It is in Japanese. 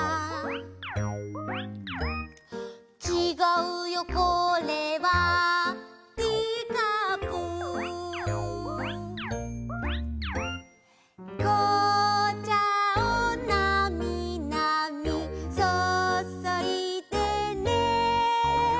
「ちがうよこれはティーカップ」「紅茶をなみなみそそいでね」